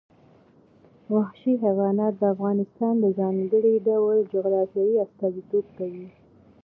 وحشي حیوانات د افغانستان د ځانګړي ډول جغرافیه استازیتوب کوي.